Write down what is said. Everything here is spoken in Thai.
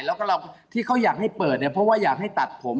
แล้วก็ที่เขาอยากให้เปิดเนี่ยเพราะว่าอยากให้ตัดผม